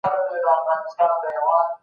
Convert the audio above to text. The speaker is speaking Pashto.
اسلام په منځني ختیځ کي ډېر ژر خپور سو.